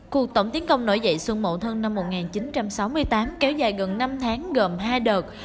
cuộc tổng tiến công nổi dậy xuân mậu thân năm một nghìn chín trăm sáu mươi tám kéo dài gần năm tháng gồm hai đợt